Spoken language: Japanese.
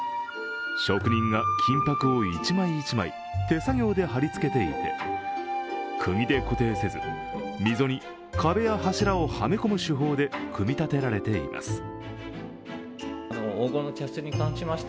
職人が金ぱくを１枚１枚手作業で貼り付けていてくぎで固定せず、溝に壁や柱をはめ込む手法で組み立てられています。